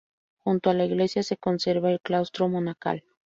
Junto a la iglesia se conserva el claustro monacal.